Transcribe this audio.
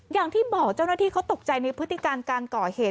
อย่างที่บอกเจ้าหน้าที่เขาตกใจในพฤติการการก่อเหตุ